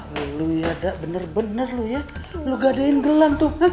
lalu ya dak bener bener lu ya lu gadain gelang tuh